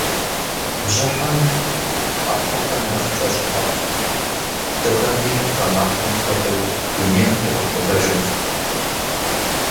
Бжьыхьэм махуэхэр нэхъ кӀэщӀ мэхъу, дыгъэми, гъэмахуэм хуэдэу, дунейр къигъэхуэбэжыркъым.